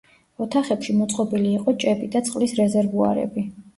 ოთახებში მოწყობილი იყო ჭები და წყლის რეზერვუარები.